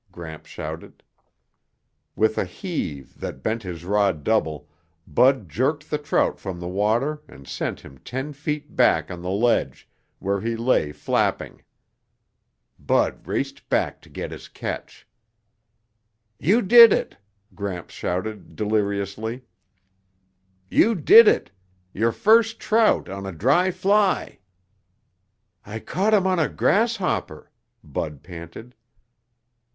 Gramps shouted. With a heave that bent his rod double, Bud jerked the trout from the water and sent him ten feet back on the ledge, where he lay flapping. Bud raced back to get his catch. "You did it!" Gramps shouted deliriously. "You did it! Your first trout on a dry fly!" "I caught him on a grasshopper," Bud panted.